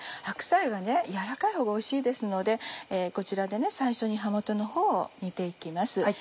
白菜が軟らかいほうがおいしいですのでこちらで最初に葉元のほうを煮て行きます。